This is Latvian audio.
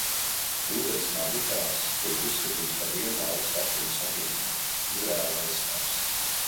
Jūdaismā Mihaēls tiek uzskatīts par vienu no augstākajiem sargeņģeļiem, Izraēla aizstāvis.